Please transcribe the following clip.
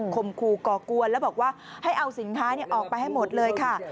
มครูก่อกวนแล้วบอกว่าให้เอาสินค้าออกไปให้หมดเลยค่ะ